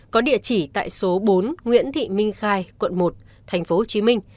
có địa chỉ tại số bốn nguyễn thị minh khai quận một tp hcm